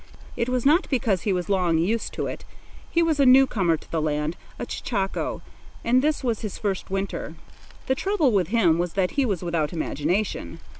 It was not because he was long used to it. He was a new comer in the land, a chechaquo, and this was his first winter. The trouble with him was that he was without imagination.